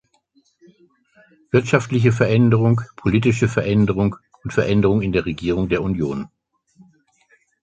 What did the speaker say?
Wirtschaftliche Veränderung, politische Veränderung und Veränderung in der Regierung der Union.